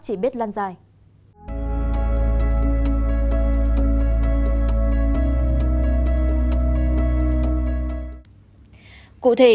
cụ thể trong đoạn clip wendy phạm đã hát ca khúc mẹ là quê hương một trong những ca khúc kinh điển của phi nhung